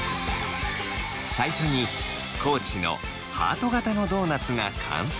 最初に地のハート形のドーナツが完成。